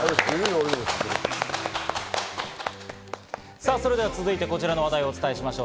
さぁそれでは続いて、こちらの話題をお伝えしょう。